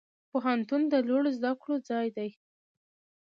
پوهنتون د لوړو زده کړو ځای دی